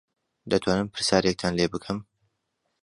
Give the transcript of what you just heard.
دەتوانم پرسیارێکتان لێ بکەم؟